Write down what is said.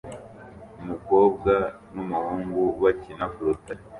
Umukobwa n'umuhungu bakina ku rutare